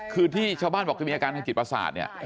คือที่ชาวบ้านบอกคือมีอาการทางจิตประสาทเนี่ย